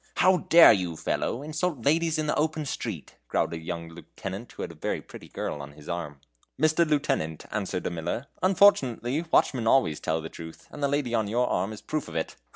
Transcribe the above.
"How dare you, fellow, insult ladies in the open street?" growled a young lieutenant, who had a very pretty girl on his arm. "Mr. Lieutenant," answered a miller, "unfortunately watchmen always tell the truth, and the lady on your arm is a proof of it.